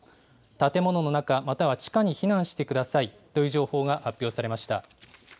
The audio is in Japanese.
建物の中、または地下に避難してくださいという情報が発表されました。